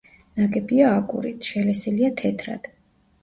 ნაგებია აგურით, შელესილია თეთრად.